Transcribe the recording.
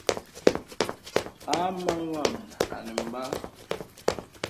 Hāmá wàm ànə bəŋ.